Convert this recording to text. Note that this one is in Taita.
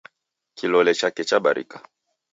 Kilole chake chabarika.